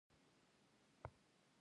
کونډه څوک مرسته کوي؟